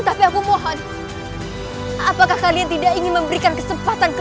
tidak perlu kamu membungkuk seperti itu